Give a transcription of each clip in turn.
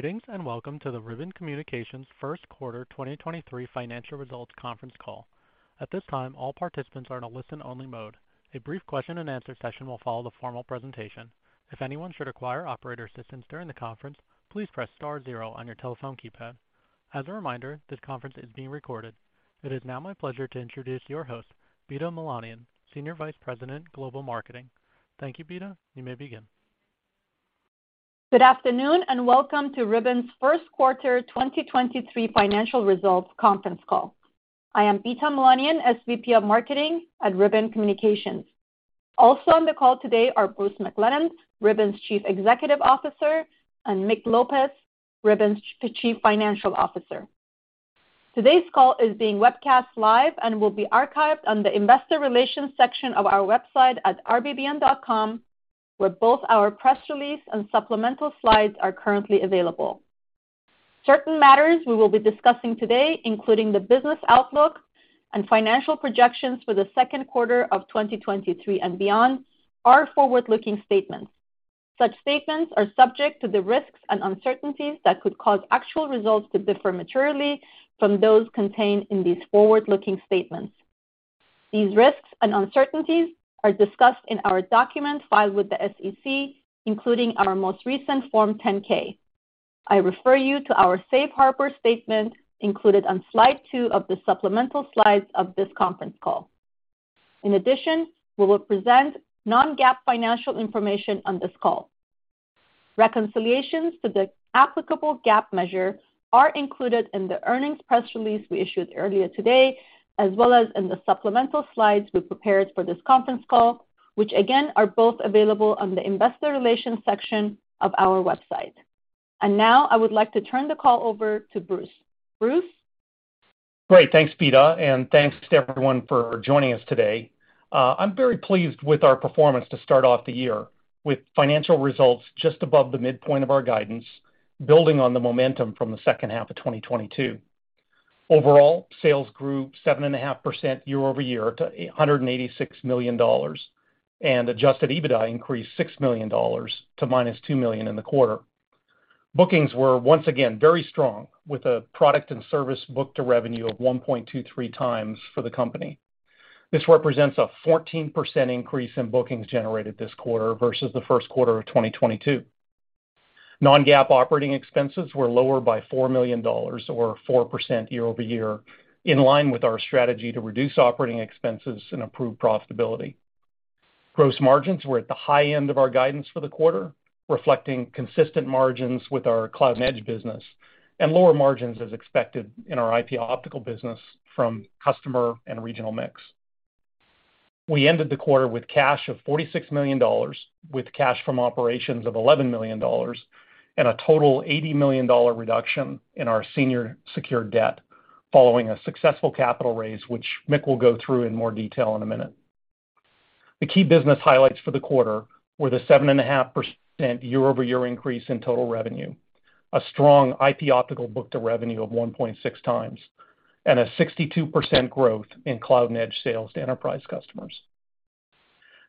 Greetings, and welcome to the Ribbon Communications first quarter 2023 financial results conference call. At this time, all participants are in a listen-only mode. A brief question and answer session will follow the formal presentation. If anyone should require operator assistance during the conference, please press star zero on your telephone keypad. As a reminder, this conference is being recorded. It is now my pleasure to introduce your host, Bita Milanian, Senior Vice President, Global Marketing. Thank you, Bita. You may begin. Good afternoon. Welcome to Ribbon's first quarter 2023 financial results conference call. I am Bita Milanian, SVP of Marketing at Ribbon Communications. Also on the call today are Bruce McClelland, Ribbon's Chief Executive Officer, and Mick Lopez, Ribbon's Chief Financial Officer. Today's call is being webcast live and will be archived on the investor relations section of our website at rbbn.com, where both our press release and supplemental slides are currently available. Certain matters we will be discussing today, including the business outlook and financial projections for the second quarter of 2023 and beyond, are forward-looking statements. Such statements are subject to the risks and uncertainties that could cause actual results to differ materially from those contained in these forward-looking statements. These risks and uncertainties are discussed in our documents filed with the SEC, including our most recent Form 10-K. I refer you to our Safe Harbor statement included on slide two of the supplemental slides of this conference call. In addition, we will present non-GAAP financial information on this call. Reconciliations to the applicable GAAP measure are included in the earnings press release we issued earlier today, as well as in the supplemental slides we prepared for this conference call, which again are both available on the investor relations section of our website. Now I would like to turn the call over to Bruce. Bruce? Great. Thanks, Bita, thanks to everyone for joining us today. I'm very pleased with our performance to start off the year with financial results just above the midpoint of our guidance, building on the momentum from the second half of 2022. Overall, sales grew 7.5% year-over-year to $186 million, and adjusted EBITDA increased $6 million to -$2 million in the quarter. Bookings were once again very strong with a product and service book-to-revenue of 1.23x for the company. This represents a 14% increase in bookings generated this quarter versus the first quarter of 2022. Non-GAAP operating expenses were lower by $4 million or 4% year-over-year, in line with our strategy to reduce operating expenses and improve profitability. Gross margins were at the high end of our guidance for the quarter, reflecting consistent margins with our Cloud & Edge business and lower margins as expected in our IP Optical business from customer and regional mix. We ended the quarter with cash of $46 million, with cash from operations of $11 million and a total $80 million reduction in our senior secured debt following a successful capital raise, which Mick will go through in more detail in a minute. The key business highlights for the quarter were the 7.5% year-over-year increase in total revenue, a strong IP Optical book-to-revenue of 1.6x, and a 62% growth in Cloud & Edge sales to enterprise customers.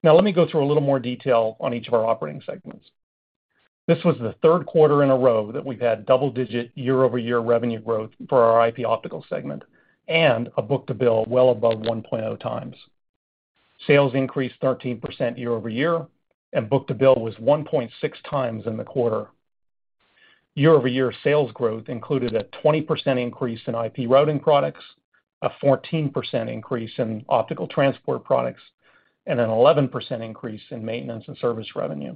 Now let me go through a little more detail on each of our operating segments. This was the third quarter in a row that we've had double-digit year-over-year revenue growth for our IP Optical segment and a book-to-bill well above 1.0x. Sales increased 13% year-over-year, and book-to-bill was 1.6x in the quarter. Year-over-year sales growth included a 20% increase in IP routing products, a 14% increase in optical transport products, and an 11% increase in maintenance and service revenue.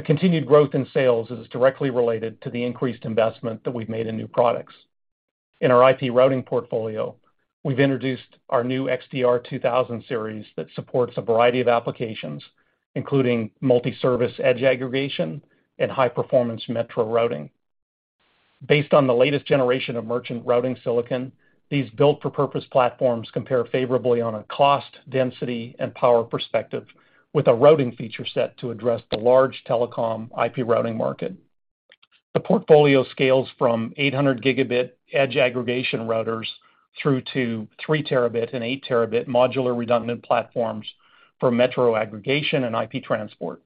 The continued growth in sales is directly related to the increased investment that we've made in new products. In our IP routing portfolio, we've introduced our new XDR2000 series that supports a variety of applications, including multi-service edge aggregation and high-performance metro routing. Based on the latest generation of merchant routing silicon, these built-for-purpose platforms compare favorably on a cost, density, and power perspective with a routing feature set to address the large telecom IP routing market. The portfolio scales from 800 gigabit edge aggregation routers through to 3 Tb and 8 Tb modular redundant platforms for metro aggregation and IP transport.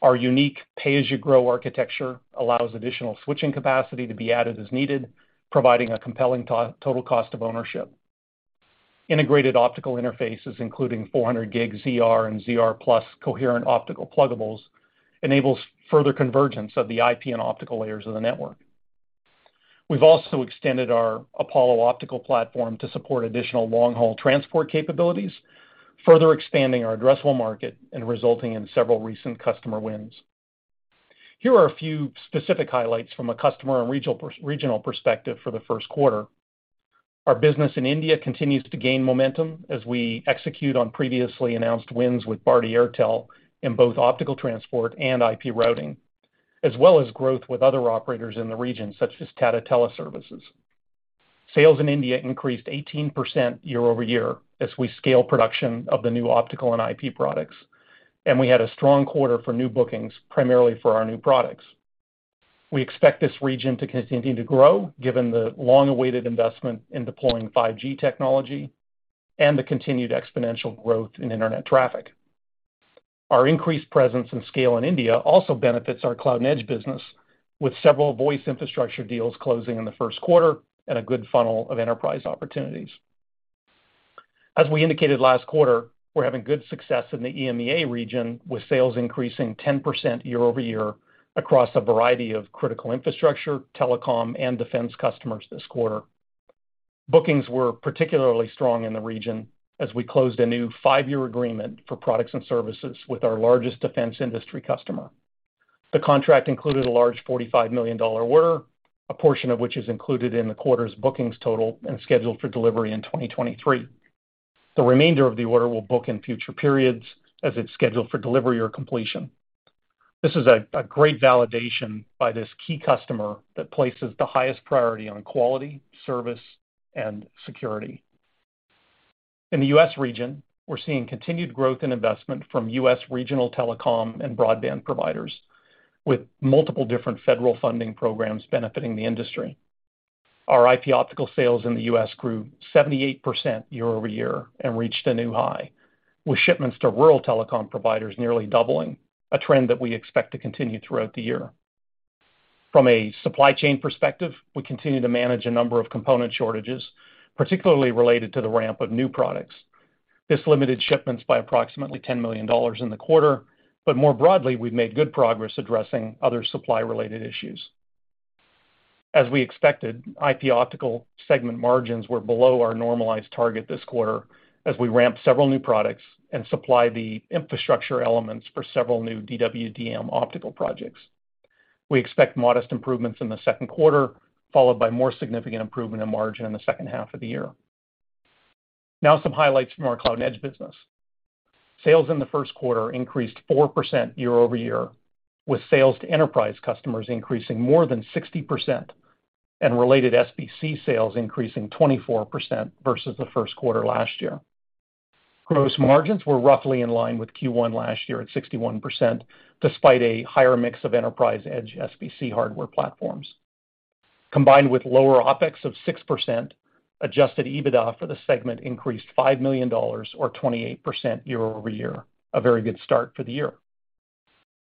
Our unique pay-as-you-grow architecture allows additional switching capacity to be added as needed, providing a compelling total cost of ownership. Integrated optical interfaces, including 400 gig ZR and ZR+ coherent optical pluggables, enables further convergence of the IP and optical layers of the network. We've also extended our Apollo optical platform to support additional long-haul transport capabilities, further expanding our addressable market and resulting in several recent customer wins. Here are a few specific highlights from a customer and regional perspective for the first quarter. Our business in India continues to gain momentum as we execute on previously announced wins with Bharti Airtel in both optical transport and IP routing, as well as growth with other operators in the region such as Tata Teleservices. Sales in India increased 18% year-over-year as we scale production of the new optical and IP products, and we had a strong quarter for new bookings, primarily for our new products. We expect this region to continue to grow given the long-awaited investment in deploying 5G technology and the continued exponential growth in internet traffic. Our increased presence and scale in India also benefits our Cloud & Edge business, with several voice infrastructure deals closing in the first quarter and a good funnel of enterprise opportunities. As we indicated last quarter, we're having good success in the EMEA region, with sales increasing 10% year-over-year across a variety of critical infrastructure, telecom, and defense customers this quarter. Bookings were particularly strong in the region as we closed a new 5-year agreement for products and services with our largest defense industry customer. The contract included a large $45 million order, a portion of which is included in the quarter's bookings total and scheduled for delivery in 2023. The remainder of the order will book in future periods as it's scheduled for delivery or completion. This is a great validation by this key customer that places the highest priority on quality, service, and security. In the U.S. region, we're seeing continued growth in investment from U.S. regional telecom and broadband providers, with multiple different federal funding programs benefiting the industry. Our IP Optical sales in the US grew 78% year-over-year and reached a new high, with shipments to rural telecom providers nearly doubling, a trend that we expect to continue throughout the year. From a supply chain perspective, we continue to manage a number of component shortages, particularly related to the ramp of new products. This limited shipments by approximately $10 million in the quarter, but more broadly, we've made good progress addressing other supply related issues. As we expected, IP Optical segment margins were below our normalized target this quarter as we ramped several new products and supplied the infrastructure elements for several new DWDM optical projects. We expect modest improvements in the second quarter, followed by more significant improvement in margin in the second half of the year. Some highlights from our Cloud & Edge business. Sales in the first quarter increased 4% year-over-year, with sales to enterprise customers increasing more than 60% and related SBC sales increasing 24% versus the first quarter last year. Gross margins were roughly in line with Q1 last year at 61% despite a higher mix of enterprise edge SBC hardware platforms. Combined with lower OpEx of 6%, adjusted EBITDA for the segment increased $5 million or 28% year-over-year, a very good start for the year.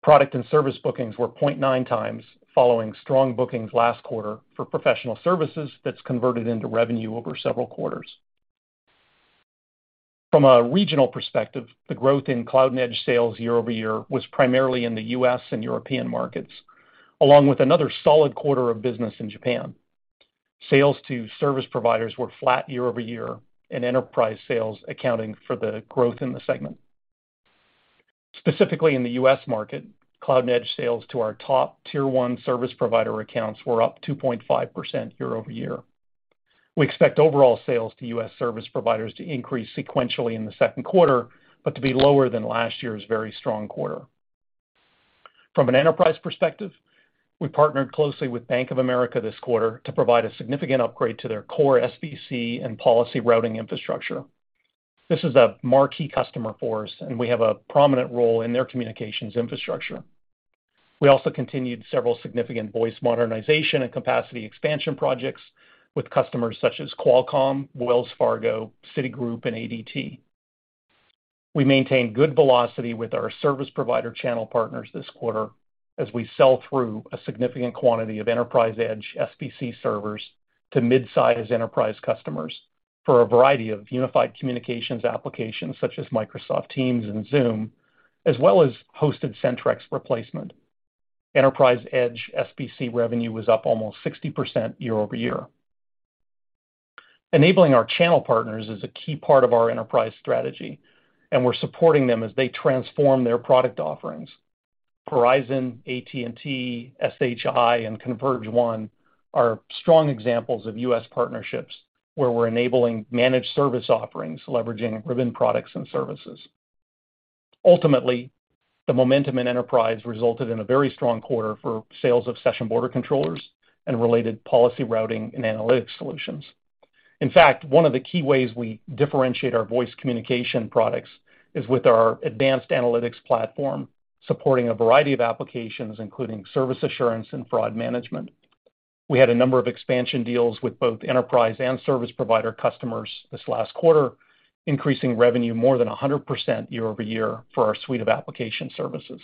Product and service bookings were 0.9x following strong bookings last quarter for professional services that's converted into revenue over several quarters. From a regional perspective, the growth in Cloud & Edge sales year-over-year was primarily in the U.S. and European markets, along with another solid quarter of business in Japan. Sales to service providers were flat year-over-year, enterprise sales accounting for the growth in the segment. Specifically in the U.S. market, Cloud & Edge sales to our top Tier 1 service provider accounts were up 2.5% year-over-year. We expect overall sales to U.S. service providers to increase sequentially in the second quarter, to be lower than last year's very strong quarter. From an enterprise perspective, we partnered closely with Bank of America this quarter to provide a significant upgrade to their core SBC and policy routing infrastructure. This is a marquee customer for us, we have a prominent role in their communications infrastructure. We also continued several significant voice modernization and capacity expansion projects with customers such as Qualcomm, Wells Fargo, Citigroup, and ADT. We maintained good velocity with our service provider channel partners this quarter as we sell through a significant quantity of enterprise edge SBC servers to mid-size enterprise customers for a variety of unified communications applications such as Microsoft Teams and Zoom, as well as hosted Centrex replacement. Enterprise edge SBC revenue was up almost 60% year-over-year. Enabling our channel partners is a key part of our enterprise strategy, and we're supporting them as they transform their product offerings. Verizon, AT&T, SHI, and ConvergeOne are strong examples of U.S. partnerships where we're enabling managed service offerings leveraging Ribbon products and services. Ultimately, the momentum in enterprise resulted in a very strong quarter for sales of session border controllers and related policy routing and analytics solutions. In fact, one of the key ways we differentiate our voice communication products is with our advanced analytics platform, supporting a variety of applications, including service assurance and fraud management. We had a number of expansion deals with both enterprise and service provider customers this last quarter, increasing revenue more than 100% year-over-year for our suite of application services.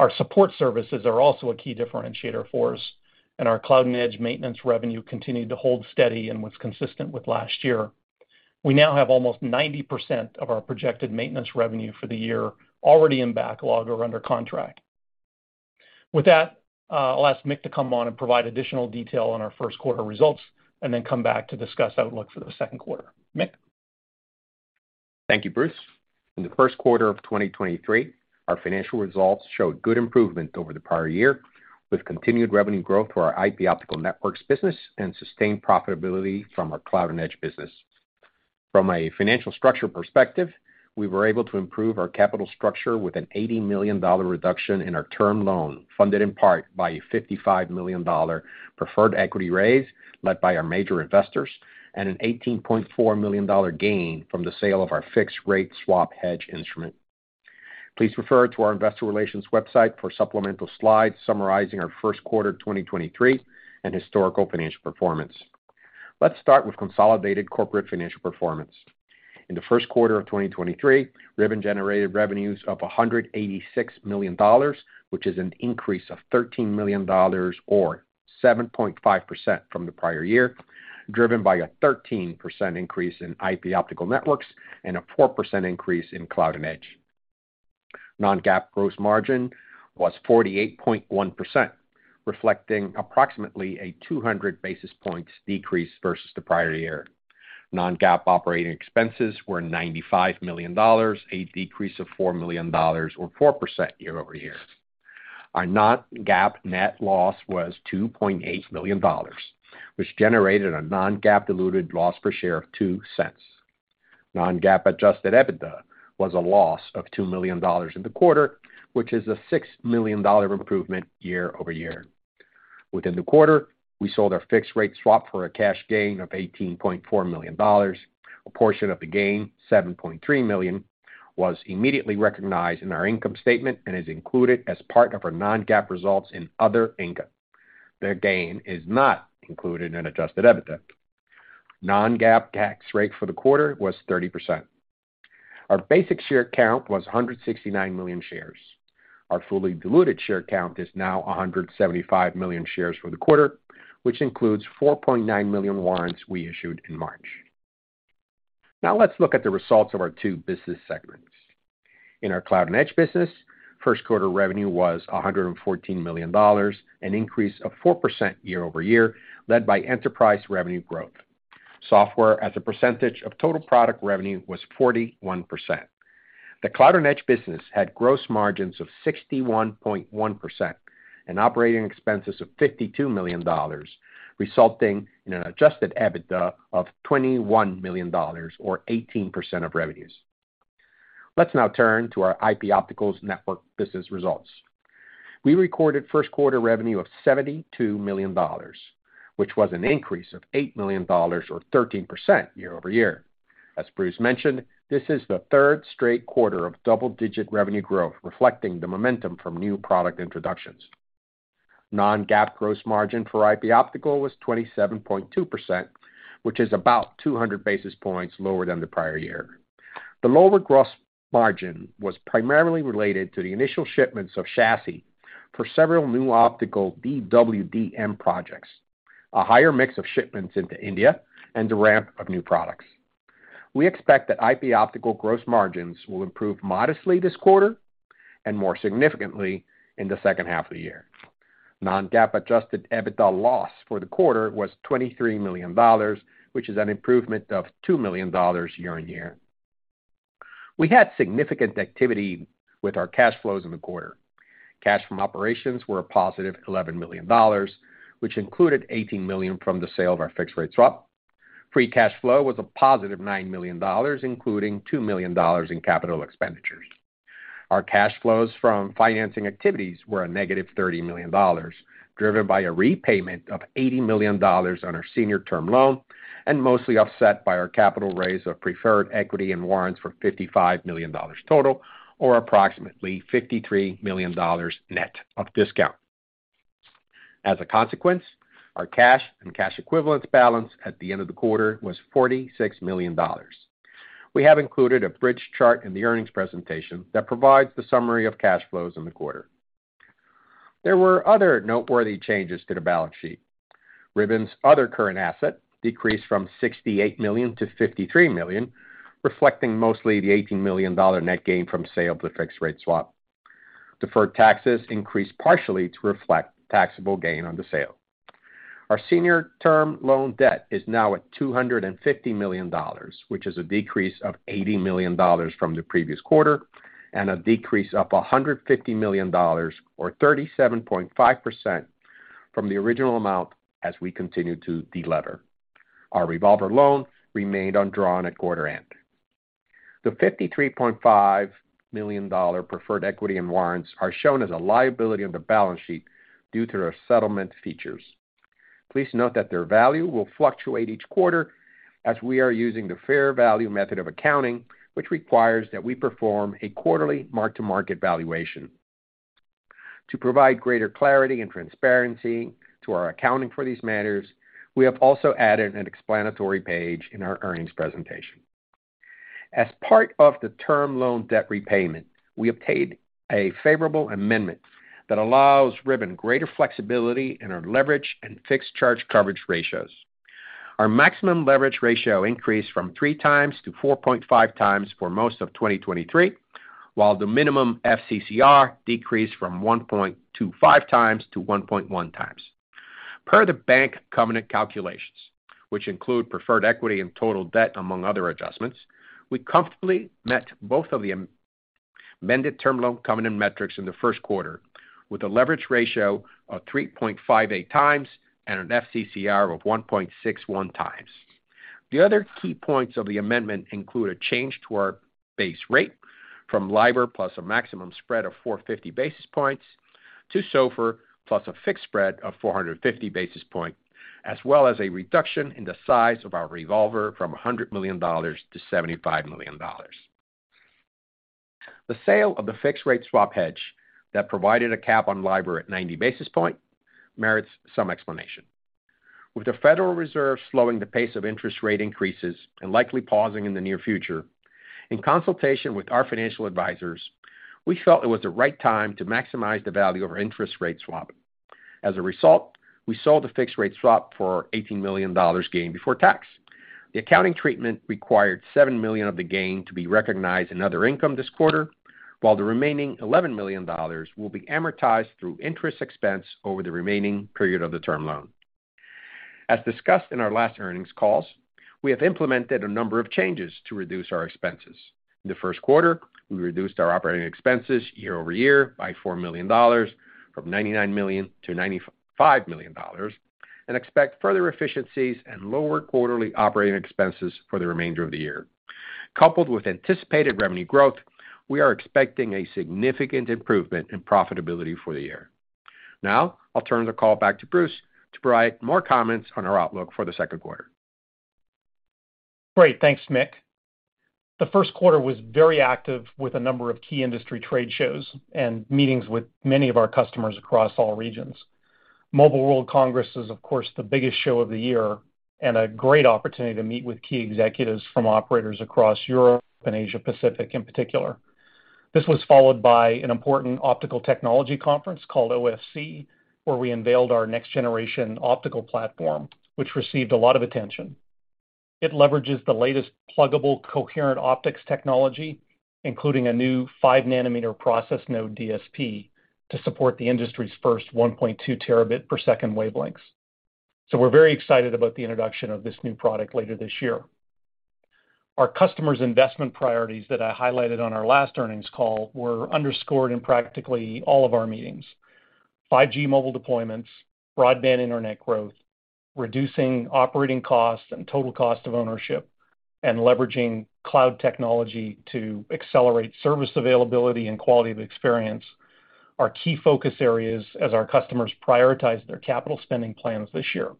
Our support services are also a key differentiator for us, and our Cloud & Edge maintenance revenue continued to hold steady and was consistent with last year. We now have almost 90% of our projected maintenance revenue for the year already in backlog or under contract. With that, I'll ask Mick to come on and provide additional detail on our first quarter results and then come back to discuss outlook for the second quarter. Mick? Thank you, Bruce. In the first quarter of 2023, our financial results showed good improvement over the prior year, with continued revenue growth for our IP Optical Networks business and sustained profitability from our Cloud & Edge business. From a financial structure perspective, we were able to improve our capital structure with an $80 million reduction in our term loan, funded in part by a $55 million preferred equity raise led by our major investors and an $18.4 million gain from the sale of our fixed rate swap hedge instrument. Please refer to our investor relations website for supplemental slides summarizing our first quarter 2023 and historical financial performance. Let's start with consolidated corporate financial performance. In the first quarter of 2023, Ribbon generated revenues of $186 million, which is an increase of $13 million or 7.5% from the prior year, driven by a 13% increase in IP Optical Networks and a 4% increase in Cloud & Edge. Non-GAAP gross margin was 48.1%, reflecting approximately a 200 basis points decrease versus the prior year. Non-GAAP operating expenses were $95 million, a decrease of $4 million or 4% year-over-year. Our non-GAAP net loss was $2.8 million, which generated a non-GAAP diluted loss per share of $0.02. Non-GAAP adjusted EBITDA was a loss of $2 million in the quarter, which is a $6 million improvement year-over-year. Within the quarter, we sold our fixed rate swap for a cash gain of $18.4 million. A portion of the gain, $7.3 million, was immediately recognized in our income statement and is included as part of our non-GAAP results in other income. The gain is not included in adjusted EBITDA. Non-GAAP tax rate for the quarter was 30%. Our basic share count was 169 million shares. Our fully diluted share count is now 175 million shares for the quarter, which includes 4.9 million warrants we issued in March. Let's look at the results of our two business segments. In our Cloud & Edge business, first quarter revenue was $114 million, an increase of 4% year-over-year, led by enterprise revenue growth. Software as a percentage of total product revenue was 41%. The Cloud & Edge business had gross margins of 61.1% and operating expenses of $52 million, resulting in an adjusted EBITDA of $21 million or 18% of revenues. Let's now turn to our IP Optical's network business results. We recorded first quarter revenue of $72 million, which was an increase of $8 million or 13% year-over-year. As Bruce mentioned, this is the third straight quarter of double-digit revenue growth, reflecting the momentum from new product introductions. non-GAAP gross margin for IP Optical was 27.2%, which is about 200 basis points lower than the prior year. The lower gross margin was primarily related to the initial shipments of chassis for several new optical DWDM projects, a higher mix of shipments into India and the ramp of new products. We expect that IP Optical gross margins will improve modestly this quarter and more significantly in the second half of the year. Non-GAAP adjusted EBITDA loss for the quarter was $23 million, which is an improvement of $2 million year-on-year. We had significant activity with our cash flows in the quarter. Cash from operations were a +$11 million, which included $18 million from the sale of our fixed rate swap. Free cash flow was a +$9 million, including $2 million in capital expenditures. Our cash flows from financing activities were a -$30 million, driven by a repayment of $80 million on our senior term loan and mostly offset by our capital raise of preferred equity and warrants for $55 million total or approximately $53 million net of discount. As a consequence, our cash and cash equivalents balance at the end of the quarter was $46 million. We have included a bridge chart in the earnings presentation that provides the summary of cash flows in the quarter. There were other noteworthy changes to the balance sheet. Ribbon's other current asset decreased from $68 million to $53 million, reflecting mostly the $18 million net gain from sale of the fixed rate swap. Deferred taxes increased partially to reflect taxable gain on the sale. Our senior term loan debt is now at $250 million, which is a decrease of $80 million from the previous quarter and a decrease of $150 million or 37.5% from the original amount as we continue to delever. Our revolver loan remained undrawn at quarter end. The $53.5 million preferred equity and warrants are shown as a liability on the balance sheet due to their settlement features. Please note that their value will fluctuate each quarter as we are using the fair value method of accounting, which requires that we perform a quarterly mark-to-market valuation. To provide greater clarity and transparency to our accounting for these matters, we have also added an explanatory page in our earnings presentation. As part of the term loan debt repayment, we obtained a favorable amendment that allows Ribbon greater flexibility in our leverage and fixed charge coverage ratios. Our maximum leverage ratio increased from 3x to 4.5x for most of 2023, while the minimum FCCR decreased from 1.25x to 1.1x. Per the bank covenant calculations, which include preferred equity and total debt among other adjustments, we comfortably met both of the amended term loan covenant metrics in the first quarter with a leverage ratio of 3.58x and an FCCR of 1.61x. The other key points of the amendment include a change to our base rate from LIBOR plus a maximum spread of 450 basis points to SOFR plus a fixed spread of 450 basis points, as well as a reduction in the size of our revolver from $100 million to $75 million. The sale of the fixed rate swap hedge that provided a cap on LIBOR at 90 basis point merits some explanation. With the Federal Reserve slowing the pace of interest rate increases and likely pausing in the near future, in consultation with our financial advisors, we felt it was the right time to maximize the value of our interest rate swap. As a result, we sold the fixed rate swap for $18 million gain before tax. The accounting treatment required $7 million of the gain to be recognized in other income this quarter, while the remaining $11 million will be amortized through interest expense over the remaining period of the term loan. As discussed in our last earnings calls, we have implemented a number of changes to reduce our expenses. In the first quarter, we reduced our operating expenses year-over-year by $4 million, from $99 million to $95 million, and expect further efficiencies and lower quarterly operating expenses for the remainder of the year. Coupled with anticipated revenue growth, we are expecting a significant improvement in profitability for the year. Now I'll turn the call back to Bruce to provide more comments on our outlook for the second quarter. Great. Thanks, Mick. The 1st quarter was very active with a number of key industry trade shows and meetings with many of our customers across all regions. Mobile World Congress is, of course, the biggest show of the year and a great opportunity to meet with key executives from operators across Europe and Asia Pacific in particular. This was followed by an important optical technology conference called OFC, where we unveiled our next generation optical platform, which received a lot of attention. It leverages the latest pluggable coherent optics technology, including a new 5 nanometer process node DSP, to support the industry's first 1.2 Tb per second wavelengths. We're very excited about the introduction of this new product later this year. Our customers' investment priorities that I highlighted on our last earnings call were underscored in practically all of our meetings. 5G mobile deployments, broadband internet growth, reducing operating costs and total cost of ownership, and leveraging cloud technology to accelerate service availability and quality of experience are key focus areas as our customers prioritize their capital spending plans this year.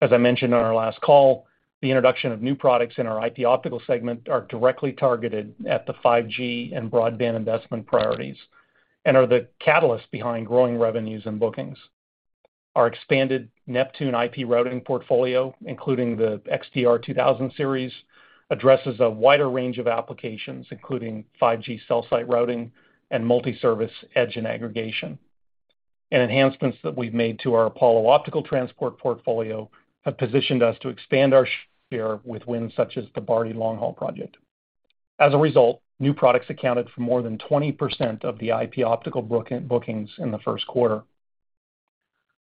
As I mentioned on our last call, the introduction of new products in our IP optical segment are directly targeted at the 5G and broadband investment priorities and are the catalyst behind growing revenues and bookings. Our expanded Neptune IP routing portfolio, including the XDR2000 series, addresses a wider range of applications, including 5G cell site routing and multi-service edge and aggregation. Enhancements that we've made to our Apollo optical transport portfolio have positioned us to expand our share with wins such as the Bharti long haul project. As a result, new products accounted for more than 20% of the IP optical bookings in the first quarter.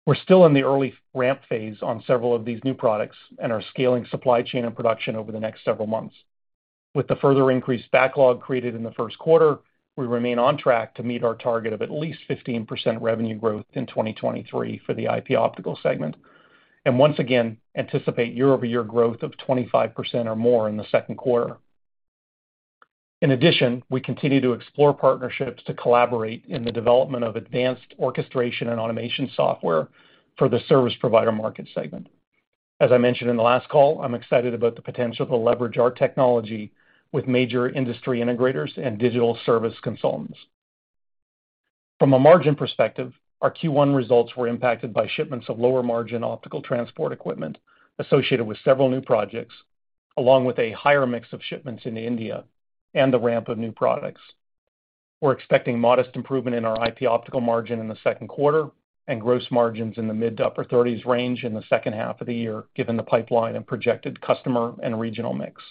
We're still in the early ramp phase on several of these new products and are scaling supply chain and production over the next several months. With the further increased backlog created in the first quarter, we remain on track to meet our target of at least 15% revenue growth in 2023 for the IP Optical segment, and once again anticipate year-over-year growth of 25% or more in the second quarter. In addition, we continue to explore partnerships to collaborate in the development of advanced orchestration and automation software for the service provider market segment. As I mentioned in the last call, I'm excited about the potential to leverage our technology with major industry integrators and digital service consultants. From a margin perspective, our Q1 results were impacted by shipments of lower margin optical transport equipment associated with several new projects, along with a higher mix of shipments into India and the ramp of new products. We're expecting modest improvement in our IP Optical margin in the second quarter and gross margins in the mid to upper thirties range in the second half of the year, given the pipeline and projected customer and regional mix.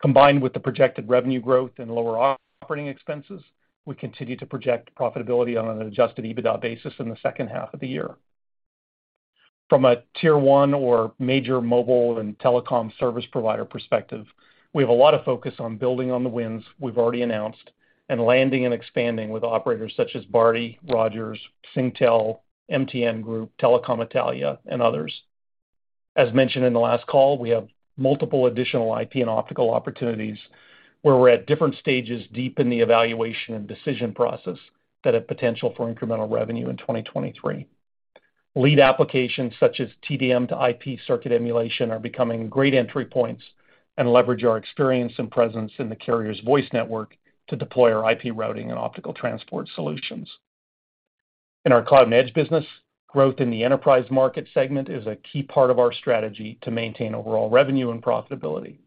Combined with the projected revenue growth and lower operating expenses, we continue to project profitability on an adjusted EBITDA basis in the second half of the year. From a Tier 1 or major mobile and telecom service provider perspective, we have a lot of focus on building on the wins we've already announced and landing and expanding with operators such as Bharti, Rogers, Singtel, MTN Group, Telecom Italia, and others. As mentioned in the last call, we have multiple additional IP and optical opportunities where we're at different stages deep in the evaluation and decision process that have potential for incremental revenue in 2023. Lead applications such as TDM to IP circuit emulation are becoming great entry points and leverage our experience and presence in the carrier's voice network to deploy our IP routing and optical transport solutions. In our Cloud & Edge business, growth in the enterprise market segment is a key part of our strategy to maintain overall revenue and profitability.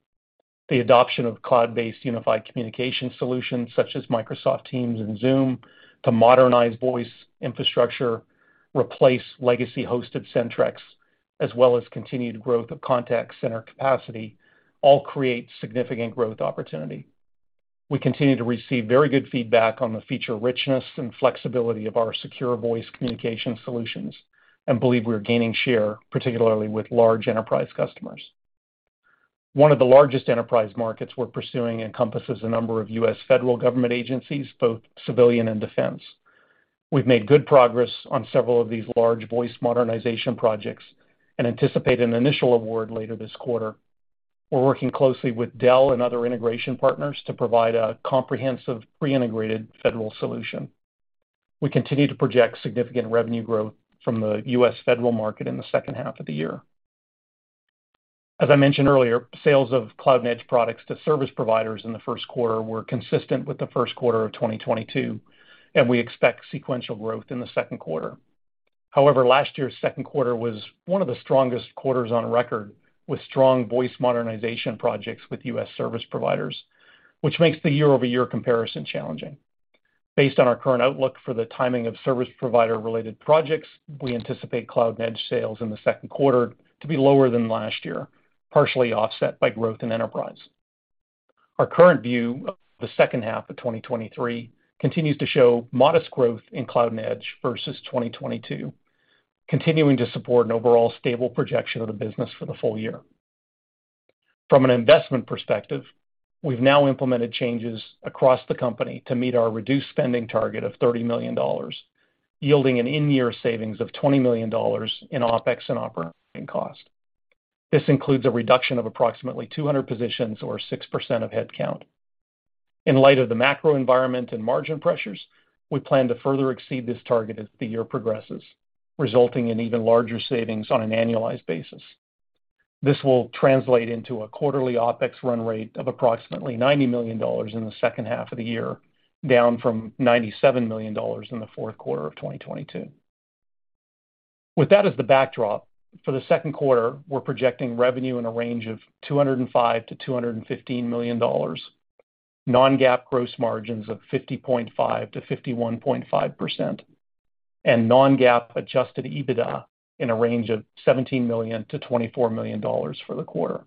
The adoption of cloud-based unified communication solutions such as Microsoft Teams and Zoom to modernize voice infrastructure, replace legacy hosted Centrex, as well as continued growth of contact center capacity, all create significant growth opportunity. We continue to receive very good feedback on the feature richness and flexibility of our secure voice communication solutions and believe we are gaining share, particularly with large enterprise customers. One of the largest enterprise markets we're pursuing encompasses a number of U.S. federal government agencies, both civilian and defense. We've made good progress on several of these large voice modernization projects and anticipate an initial award later this quarter. We're working closely with Dell and other integration partners to provide a comprehensive pre-integrated federal solution. We continue to project significant revenue growth from the U.S. federal market in the second half of the year. As I mentioned earlier, sales of Cloud & Edge products to service providers in the first quarter were consistent with the first quarter of 2022, and we expect sequential growth in the second quarter. Last year's second quarter was one of the strongest quarters on record, with strong voice modernization projects with U.S. service providers, which makes the year-over-year comparison challenging. Based on our current outlook for the timing of service provider-related projects, we anticipate Cloud & Edge sales in the second quarter to be lower than last year, partially offset by growth in enterprise. Our current view of the second half of 2023 continues to show modest growth in Cloud & Edge versus 2022, continuing to support an overall stable projection of the business for the full year. From an investment perspective, we've now implemented changes across the company to meet our reduced spending target of $30 million, yielding an in-year savings of $20 million in OpEx and operating cost. This includes a reduction of approximately 200 positions or 6% of headcount. In light of the macro environment and margin pressures, we plan to further exceed this target as the year progresses, resulting in even larger savings on an annualized basis. This will translate into a quarterly OpEx run rate of approximately $90 million in the second half of the year, down from $97 million in the fourth quarter of 2022. With that as the backdrop, for the second quarter, we're projecting revenue in a range of $205 million-$215 million, non-GAAP gross margins of 50.5%-51.5%, and non-GAAP adjusted EBITDA in a range of $17 million-$24 million for the quarter.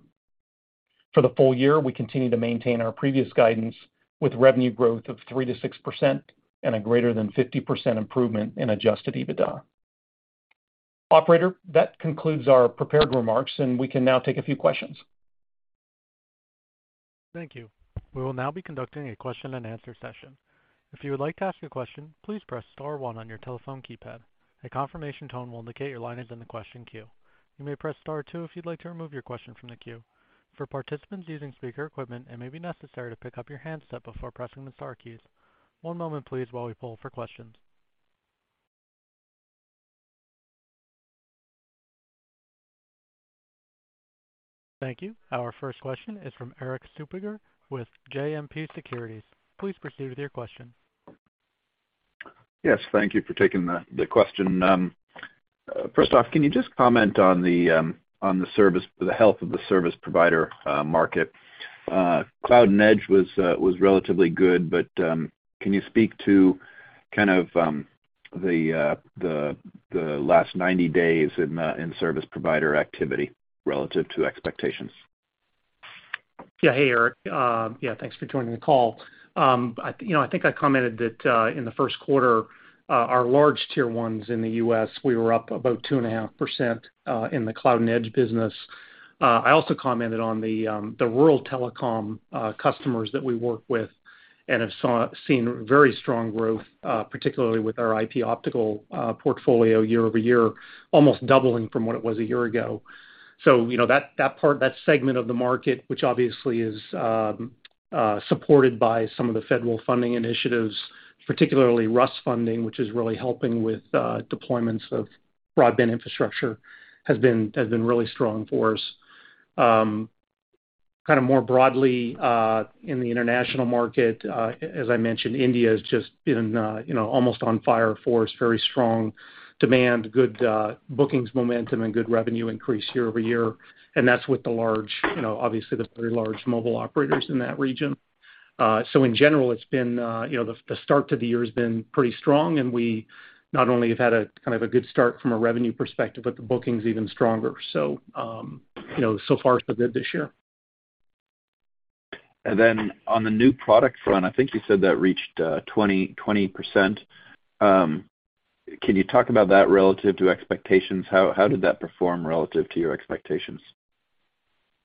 For the full year, we continue to maintain our previous guidance with revenue growth of 3%-6% and a greater than 50% improvement in adjusted EBITDA. Operator, that concludes our prepared remarks. We can now take a few questions. Thank you. We will now be conducting a question-and-answer session. If you would like to ask a question, please press star one on your telephone keypad. A confirmation tone will indicate your line is in the question queue. You may press star two if you'd like to remove your question from the queue. For participants using speaker equipment, it may be necessary to pick up your handset before pressing the star keys. One moment, please, while we poll for questions. Thank you. Our first question is from Erik Suppiger with JMP Securities. Please proceed with your question. Yes, thank you for taking the question. First off, can you just comment on the health of the service provider market? Cloud & Edge was relatively good, but can you speak to kind of the last 90 days in service provider activity relative to expectations? Hey, Erik. Thanks for joining the call. I, you know, I think I commented that in the first quarter, our large Tier 1s in the U.S., we were up about 2.5% in the Cloud & Edge business. I also commented on the rural telecom customers that we work with and have seen very strong growth, particularly with our IP Optical portfolio year-over-year, almost doubling from what it was a year ago. You know, that part, that segment of the market, which obviously is supported by some of the federal funding initiatives, particularly RUS funding, which is really helping with deployments of broadband infrastructure, has been really strong for us. kind of more broadly, in the international market, as I mentioned, India has just been, you know, almost on fire for us, very strong demand, good bookings momentum, and good revenue increase year-over-year. That's with the large, you know, obviously the very large mobile operators in that region. In general, it's been, you know, the start to the year has been pretty strong, and we not only have had a, kind of a good start from a revenue perspective, but the bookings even stronger. You know, so far, so good this year. On the new product front, I think you said that reached 20%. Can you talk about that relative to expectations? How did that perform relative to your expectations?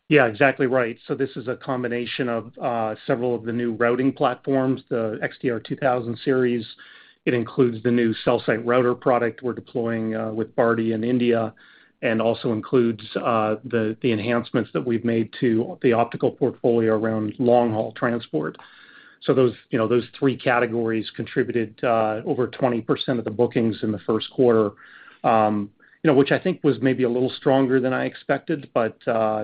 Exactly right. This is a combination of several of the new routing platforms, the XDR2000 series. It includes the new cell site router product we're deploying with Bharti in India, and also includes the enhancements that we've made to the optical portfolio around long-haul transport. Those, you know, those three categories contributed over 20% of the bookings in the first quarter, which I think was maybe a little stronger than I expected, but,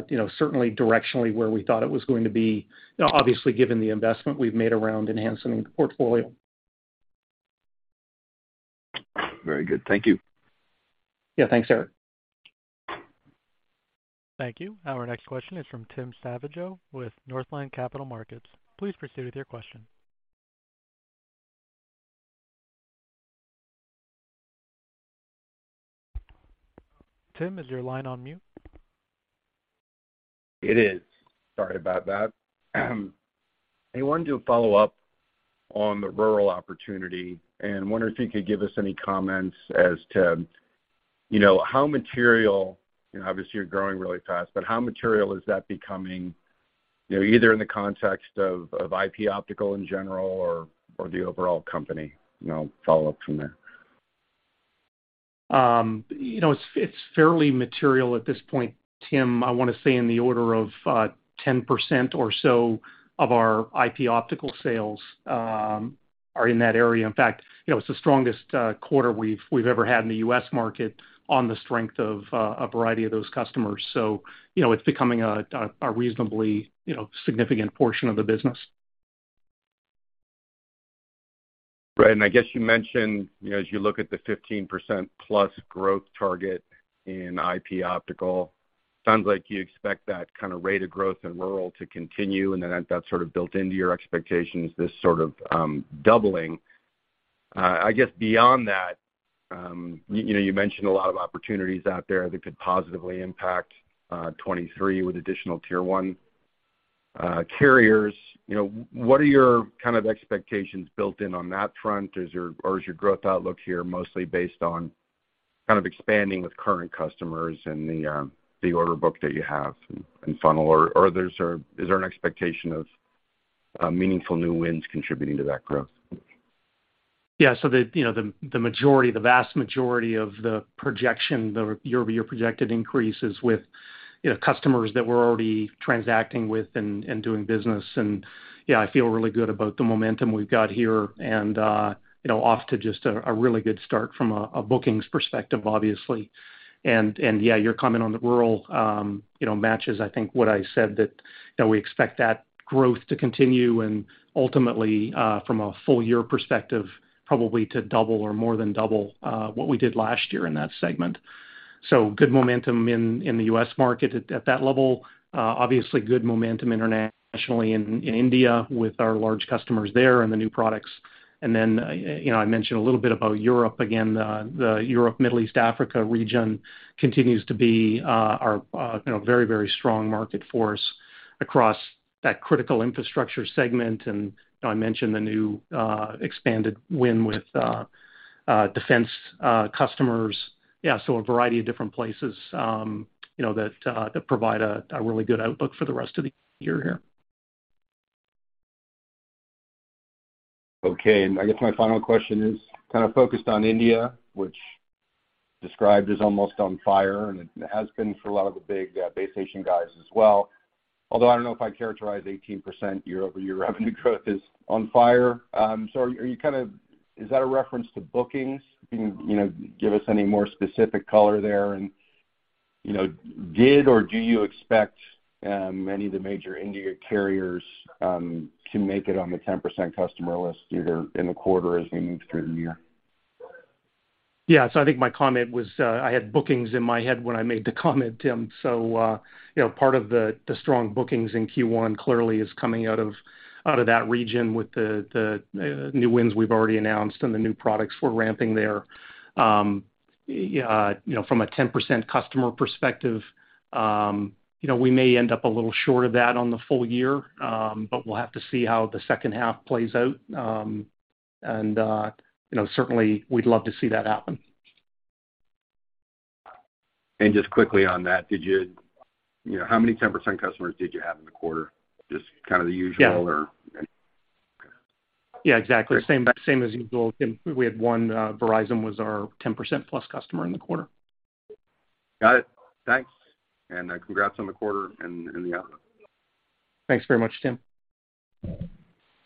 you know, certainly directionally where we thought it was going to be, you know, obviously, given the investment we've made around enhancing the portfolio. Very good. Thank you. Yeah. Thanks, Erik. Thank you. Our next question is from Tim Savageaux with Northland Capital Markets. Please proceed with your question. Tim, is your line on mute? It is. Sorry about that. I wanted to follow up on the rural opportunity and wonder if you could give us any comments as to, you know, how material, you know, obviously you're growing really fast, but how material is that becoming, you know, either in the context of IP Optical in general or the overall company, you know, follow up from there? You know, it's fairly material at this point, Tim. I wanna say in the order of 10% or so of our IP Optical sales are in that area. In fact, you know, it's the strongest quarter we've ever had in the U.S. market on the strength of a variety of those customers. You know, it's becoming a reasonably, you know, significant portion of the business. Right. I guess you mentioned, you know, as you look at the 15%+ growth target in IP Optical, sounds like you expect that kind of rate of growth in rural to continue, that's sort of built into your expectations, this sort of doubling. I guess beyond that, you know, you mentioned a lot of opportunities out there that could positively impact 23 with additional Tier 1 carriers. You know, what are your kind of expectations built in on that front? Is your growth outlook here mostly based on kind of expanding with current customers and the order book that you have and funnel, or is there an expectation of meaningful new wins contributing to that growth? Yeah. The, you know, the majority, the vast majority of the projection, the year-over-year projected increase is with, you know, customers that we're already transacting with and doing business. Yeah, I feel really good about the momentum we've got here and, you know, off to just a really good start from a bookings perspective, obviously. Yeah, your comment on the rural, you know, matches I think what I said that we expect that growth to continue and ultimately, from a full year perspective, probably to double or more than double, what we did last year in that segment. Good momentum in the U.S. market at that level. Obviously good momentum internationally in India with our large customers there and the new products. You know, I mentioned a little bit about Europe. The Europe, Middle East, Africa region continues to be our, you know, very strong market force across that critical infrastructure segment. You know, I mentioned the new expanded win with defense customers. A variety of different places, you know, that provide a really good outlook for the rest of the year here. Okay. I guess my final question is kind of focused on India, which described as almost on fire, and it has been for a lot of the big base station guys as well. Although I don't know if I'd characterize 18% year-over-year revenue growth as on fire. Is that a reference to bookings? Can you know, give us any more specific color there? You know, did or do you expect any of the major India carriers to make it on the 10% customer list either in the quarter as we move through the year? Yeah. I think my comment was, I had bookings in my head when I made the comment, Tim. You know, part of the strong bookings in Q1 clearly is coming out of, out of that region with the, new wins we've already announced and the new products we're ramping there. You know, from a 10% customer perspective, you know, we may end up a little short of that on the full year, but we'll have to see how the second half plays out. You know, certainly we'd love to see that happen. Just quickly on that, you know, how many 10% customers did you have in the quarter? Just kind of the usual? Yeah. Okay. Yeah, exactly. Same as usual, Tim. We had one. Verizon was our 10%+ customer in the quarter. Got it. Thanks. Congrats on the quarter and the outlook. Thanks very much, Tim.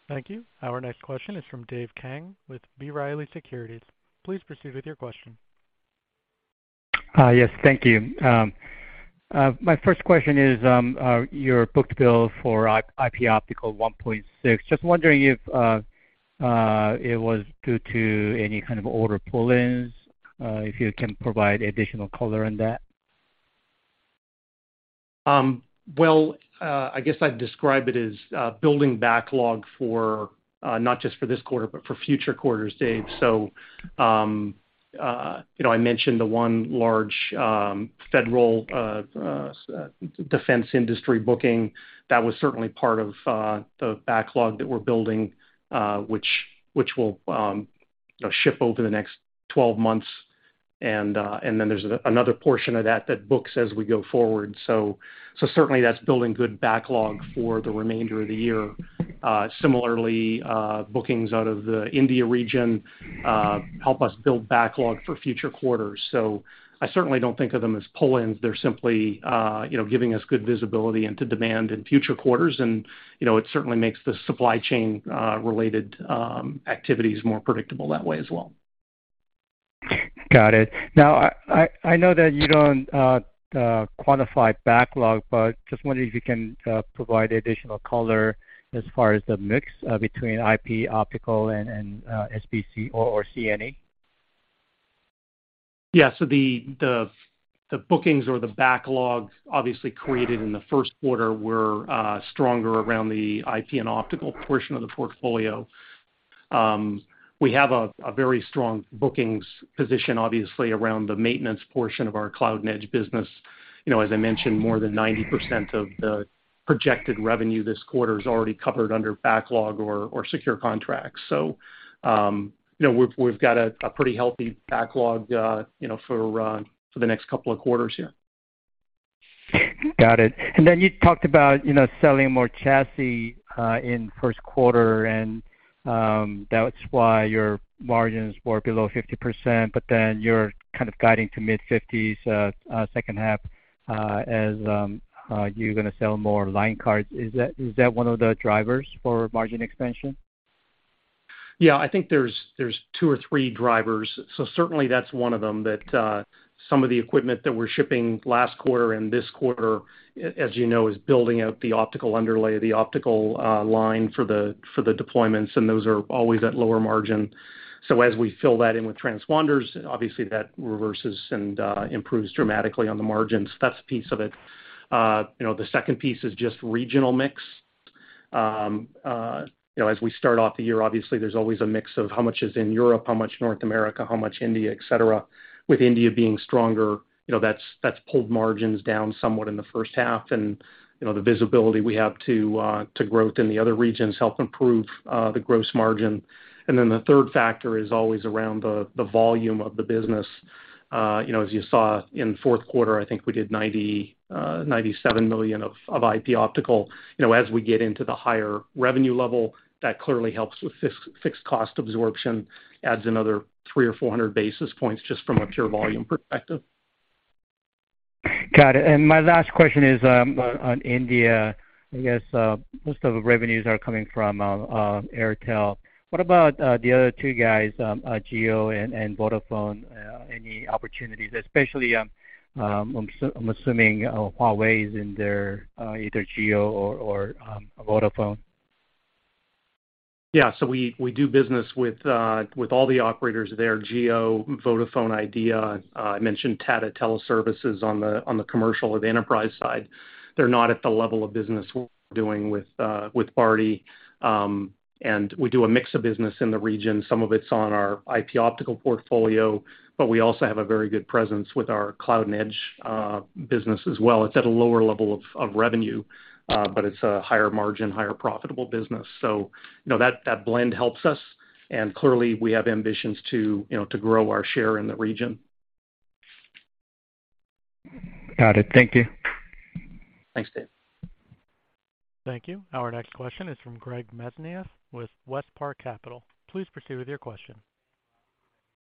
Thank you. Our next question is from Dave Kang with B. Riley Securities. Please proceed with your question. Yes, thank you. My first question is, your book-to-bill for IP Optical 1.6. Just wondering if it was due to any kind of order pull-ins, if you can provide additional color on that? Well, I guess I'd describe it as building backlog for not just for this quarter, but for future quarters, Dave. You know, I mentioned the one large federal defense industry booking. That was certainly part of the backlog that we're building, which will, you know, ship over the next 12 months. And then there's another portion of that books as we go forward. Certainly that's building good backlog for the remainder of the year. Bookings out of the India region, help us build backlog for future quarters. I certainly don't think of them as pull-ins. They're simply, you know, giving us good visibility into demand in future quarters. you know, it certainly makes the supply chain related activities more predictable that way as well. Got it. Now, I know that you don't quantify backlog, but just wondering if you can provide additional color as far as the mix between IP Optical and SBC or C&E. Yeah. The bookings or the backlogs obviously created in the first quarter were stronger around the IP and optical portion of the portfolio. We have a very strong bookings position, obviously, around the maintenance portion of our Cloud & Edge business. You know, as I mentioned, more than 90% of the projected revenue this quarter is already covered under backlog or secure contracts. You know, we've got a pretty healthy backlog, you know, for the next couple of quarters here. Got it. You talked about, you know, selling more chassis in first quarter and that's why your margins were below 50%, but then you're kind of guiding to mid-50s second half as you're gonna sell more line cards. Is that one of the drivers for margin expansion? I think there's two or three drivers. Certainly that's one of them, that, some of the equipment that we're shipping last quarter and this quarter, as you know, is building out the optical underlay, the optical line for the, for the deployments, and those are always at lower margin. As we fill that in with transponders, obviously that reverses and improves dramatically on the margins. That's a piece of it. You know, the second piece is just regional mix. You know, as we start off the year, obviously there's always a mix of how much is in Europe, how much North America, how much India, et cetera. With India being stronger, you know, that's pulled margins down somewhat in the first half and, you know, the visibility we have to growth in the other regions help improve the gross margin. The third factor is always around the volume of the business. You know, as you saw in fourth quarter, I think we did $97 million of IP Optical. You know, as we get into the higher revenue level, that clearly helps with fixed cost absorption, adds another 300 or 400 basis points just from a pure volume perspective. Got it. My last question is on India. I guess most of the revenues are coming from Airtel. What about the other two guys, Jio and Vodafone, any opportunities? Especially I'm assuming Huawei is in there, either Jio or Vodafone. We do business with all the operators there, Jio, Vodafone, Idea. I mentioned Tata Teleservices on the commercial or the enterprise side. They're not at the level of business we're doing with Bharti. We do a mix of business in the region. Some of it's on our IP Optical portfolio, but we also have a very good presence with our Cloud & Edge business as well. It's at a lower level of revenue, but it's a higher margin, higher profitable business. You know, that blend helps us, and clearly, we have ambitions to, you know, to grow our share in the region. Got it. Thank you. Thanks, Dave. Thank you. Our next question is from Greg Mesniaeff with WestPark Capital. Please proceed with your question.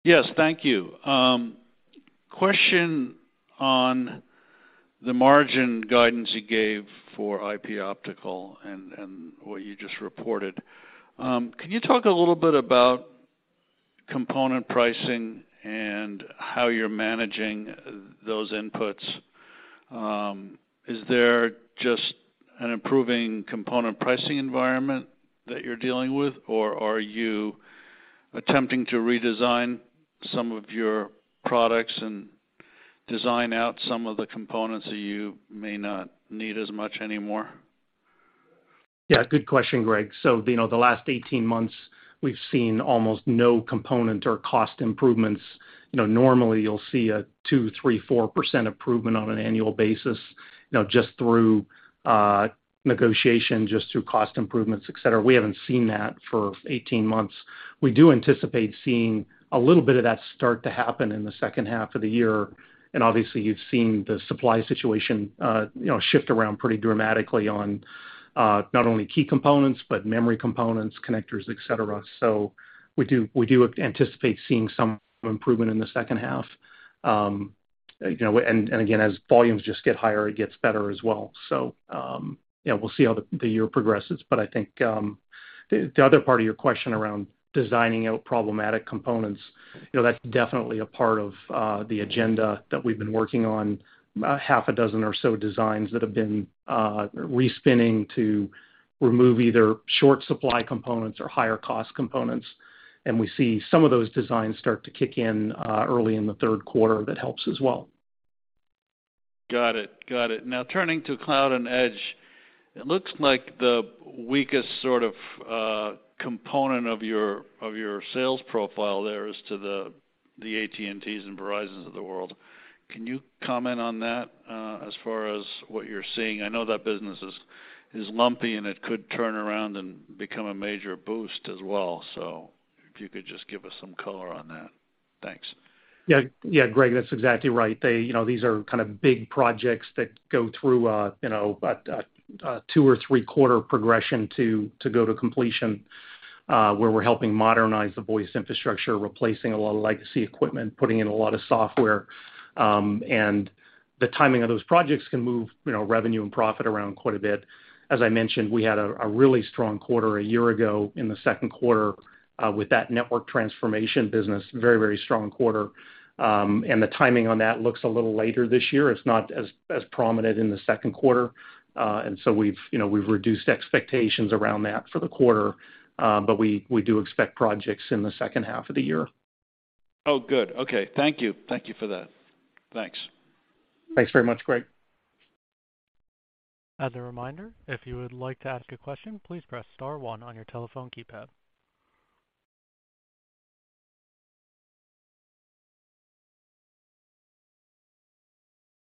Yes, thank you. Question on the margin guidance you gave for IP Optical and what you just reported. Can you talk a little bit about component pricing and how you're managing those inputs? Is there just an improving component pricing environment that you're dealing with, or are you attempting to redesign some of your products and design out some of the components that you may not need as much anymore? Yeah, good question, Greg. You know, the last 18 months, we've seen almost no component or cost improvements. You know, normally you'll see a 2%, 3%, 4% improvement on an annual basis, you know, just through negotiation, just through cost improvements, et cetera. We haven't seen that for 18 months. We do anticipate seeing a little bit of that start to happen in the second half of the year. Obviously, you've seen the supply situation, you know, shift around pretty dramatically on not only key components, but memory components, connectors, et cetera. We do anticipate seeing some improvement in the second half. You know, and again, as volumes just get higher, it gets better as well. Yeah, we'll see how the year progresses. I think, the other part of your question around designing out problematic components, you know, that's definitely a part of, the agenda that we've been working on. About half a dozen or so designs that have been respinning to remove either short supply components or higher cost components. We see some of those designs start to kick in, early in the third quarter. That helps as well. Got it. Got it. Turning to Cloud & Edge, it looks like the weakest sort of component of your sales profile there as to the AT&Ts and Verizons of the world. Can you comment on that as far as what you're seeing? I know that business is lumpy, and it could turn around and become a major boost as well. If you could just give us some color on that. Thanks. Yeah, Greg, that's exactly right. They, you know, these are kind of big projects that go through a, you know, a two or three quarter progression to go to completion, where we're helping modernize the voice infrastructure, replacing a lot of legacy equipment, putting in a lot of software. The timing of those projects can move, you know, revenue and profit around quite a bit. As I mentioned, we had a really strong quarter a year ago in the second quarter, with that network transformation business. Very, very strong quarter. The timing on that looks a little later this year. It's not as prominent in the second quarter. We've, you know, we've reduced expectations around that for the quarter. We do expect projects in the second half of the year. Oh, good. Okay. Thank you. Thank you for that. Thanks. Thanks very much, Greg. As a reminder, if you would like to ask a question, please press star one on your telephone keypad.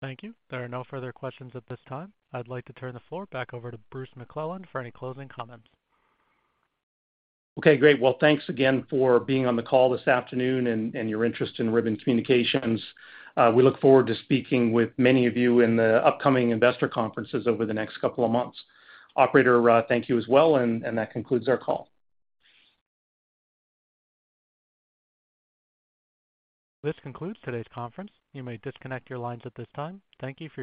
Thank you. There are no further questions at this time. I'd like to turn the floor back over to Bruce McClelland for any closing comments. Okay, great. Well, thanks again for being on the call this afternoon and your interest in Ribbon Communications. We look forward to speaking with many of you in the upcoming investor conferences over the next couple of months. Operator, thank you as well, and that concludes our call. This concludes today's conference. You may disconnect your lines at this time. Thank you for your participation.